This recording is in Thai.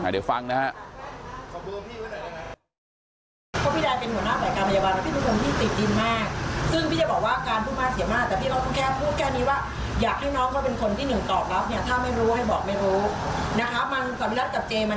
เดี๋ยวฟังนะครับ